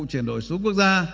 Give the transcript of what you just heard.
chuyển đổi số quốc gia